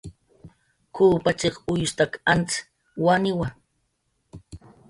"K""uw pachiq uyustak antz waniwa"